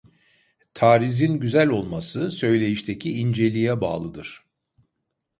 Tarizin güzel olması söyleyişteki inceliğe bağlıdır.